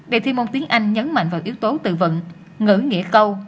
đề thi môn tiếng anh nhấn mạnh vào yếu tố tự vận ngữ nghĩa câu